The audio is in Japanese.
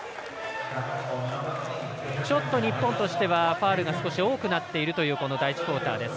日本としてはファウルが少し多くなっているというこの第１クオーターです。